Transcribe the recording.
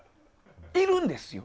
いるんですよ。